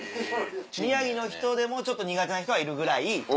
宮城の人でもちょっと苦手な人はいるぐらい。